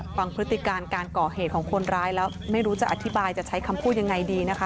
พฤติการการก่อเหตุของคนร้ายแล้วไม่รู้จะอธิบายจะใช้คำพูดยังไงดีนะคะ